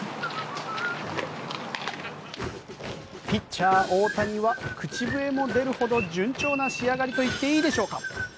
ピッチャー大谷は口笛も出るほど順調な仕上がりと言っていいでしょうか。